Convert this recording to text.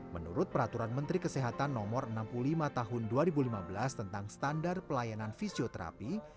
menurut peraturan menteri kesehatan no enam puluh lima tahun dua ribu lima belas tentang standar pelayanan fisioterapi